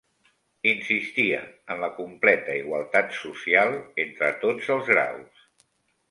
Insistia en la completa igualtat social entre tots els graus.